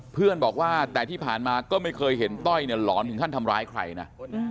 เพื่อนบอกว่าแต่ที่ผ่านมาก็ไม่เคยเห็นต้อยเนี่ยหลอนถึงขั้นทำร้ายใครนะ